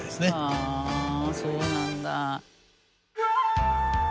はあそうなんだ。